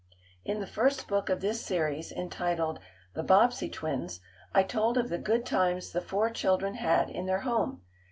In the first book of this series, entitled "The Bobbsey Twins," I told of the good times the four children had in their home.